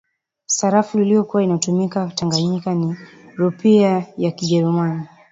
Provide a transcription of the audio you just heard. sarafu iliyokuwa inatumika tanganyika ni rupia ya kijerumani